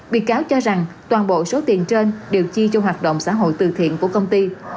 bị cáo cho rằng toàn bộ số tiền trên đều chi cho hoạt động xã hội từ thiện của công ty